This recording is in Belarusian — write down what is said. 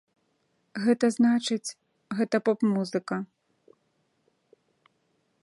Гэта значыць, гэта поп музыка.